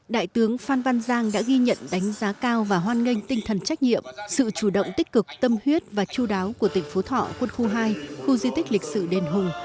đại tướng phan văn giang đã ghi nhận đánh giá cao và hoan nghênh tinh thần trách nhiệm sự chủ động tích cực tâm huyết và chú đáo của tỉnh phú thọ quân khu hai khu di tích lịch sử đền hùng